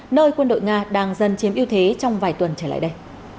nơi quân đội nga đang dần chiếm ưu thế trong vài tuần trở lại đây